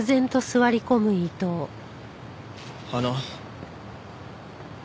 あの。